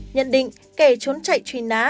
nhận định kẻ trốn chạy truy ná